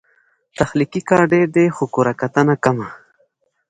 تخلیقي کار ډېر دی، خو کرهکتنه کمه